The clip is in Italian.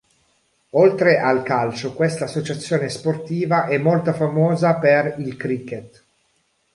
Oltre al calcio questa associazione sportiva è molto famosa per il cricket.